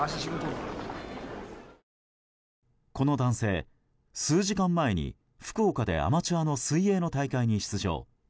この男性、数時間前に福岡でアマチュアの水泳の大会に出場。